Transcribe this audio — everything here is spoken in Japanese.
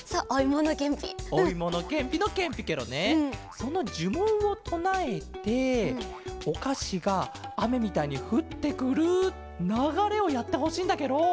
そのじゅもんをとなえておかしがあめみたいにふってくるながれをやってほしいんだケロ。